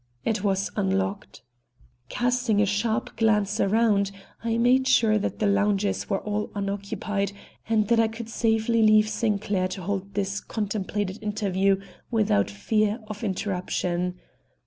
It was unlocked. Casting a sharp glance around, I made sure that the lounges were all unoccupied and that I could safely leave Sinclair to hold his contemplated interview without fear of interruption.